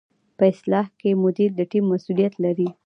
په اصطلاح کې مدیر د ټیم مسؤلیت لري.